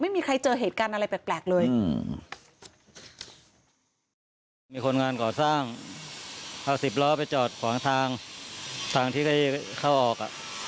มีคนงานก่อสร้างเอาสิบล้อไปจอดขวางทางทางที่เขาเข้าออก